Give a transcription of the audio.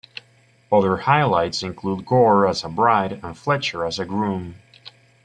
Other highlights include Gore as a bride and Fletcher as a groom.